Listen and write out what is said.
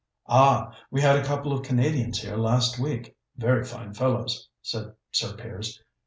"Ah, we had a couple of Canadians here last week very fine fellows," said Sir Piers.